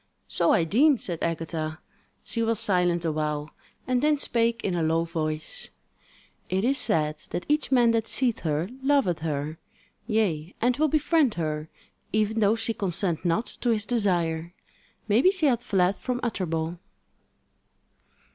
"So I deem," said Agatha. She was silent awhile and then spake in a low voice: "It is said that each man that seeth her loveth her; yea, and will befriend her, even though she consent not to his desire. Maybe she hath fled from Utterbol."